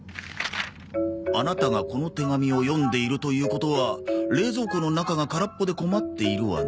「あなたがこの手紙を読んでいるということは冷蔵庫の中がからっぽで困っているわね」